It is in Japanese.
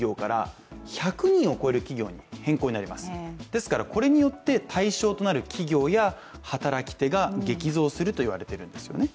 ですからこれによって対象となる企業や働き手が激増すると言われているんですよね。